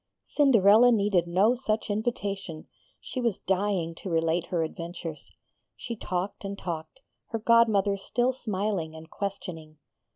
Cinderella needed no such invitation; she was dying to relate her adventures. She talked and talked, her godmother still smiling and questioning.